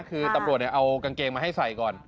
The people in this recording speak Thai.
คือตำรวจเอากางเกงมาให้ใส่ก่อน